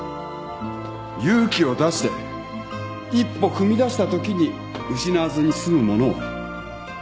勇気を出して一歩踏み出したときに失わずに済むものを。